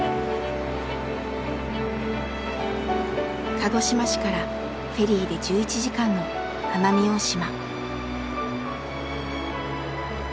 鹿児島市からフェリーで１１時間の奄美大島。